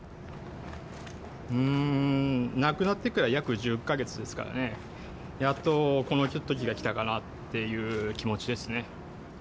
亡くなってから約１０か月ですからね、やっとこの時が来たかなっていう気持ちですね。